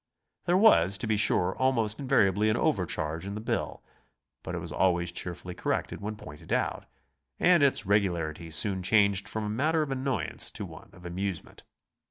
There was, to be sure, almost invariably an over charge in the bill, but it was always cheer fully corrected when pointed out, and its regularity soon changed from a matter of annoyance to one of amusement.